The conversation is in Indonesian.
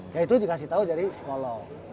ya itu dikasih tahu dari psikolog